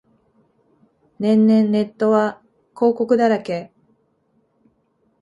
年々ネットは広告だらけ